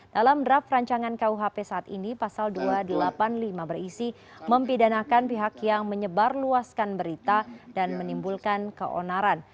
dalam draft rancangan kuhp saat ini pasal dua ratus delapan puluh lima berisi mempidanakan pihak yang menyebar luaskan berita dan menimbulkan keonaran